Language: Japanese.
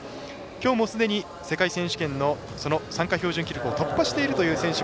きょうも、すでに世界選手権の参加標準記録を突破しているという選手